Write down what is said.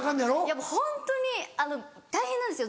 ホントに大変なんですよ